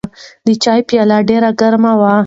د چای پیاله ډېره ګرمه وه.